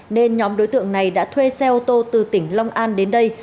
nên nhóm đối tượng này đã thuê xe ô tô từ tỉnh long an đến đây